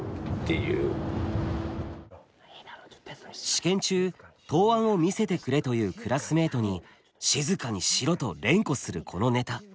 試験中「答案を見せてくれ」と言うクラスメートに「静かにしろ」と連呼するこのネタ。